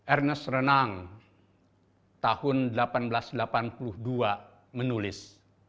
ernest renang tahun seribu delapan ratus delapan puluh dua menulis